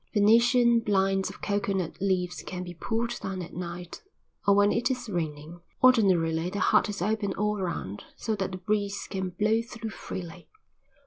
Venetian blinds of coconut leaves can be pulled down at night or when it is raining. Ordinarily the hut is open all round so that the breeze can blow through freely.